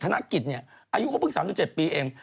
อายุเค้าก็เพิ่ง๓๗ปีเอง